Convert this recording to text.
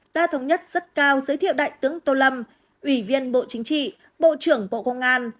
ta thống nhất rất cao giới thiệu đại tướng tô lâm ủy viên bộ chính trị bộ trưởng bộ công an